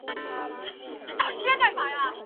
拉巴斯蒂多纳人口变化图示